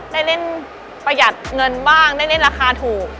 ได้เล่นประหยัดเงินบ้างได้เล่นราคาถูก